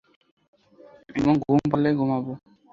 এবং ঘুম পাড়লে ঘুমাবো।